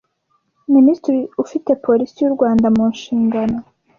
Minisitiri ufite Polisi y u Rwanda mu nshingano